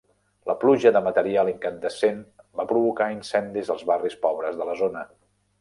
La pluja de material incandescent va provocar incendis als barris pobres de la zona.